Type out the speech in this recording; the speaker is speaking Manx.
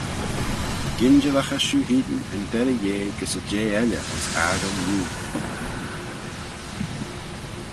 Ginjillaghey shiu hene yn derrey yeh gys y jeh elley ayns aggle Yee.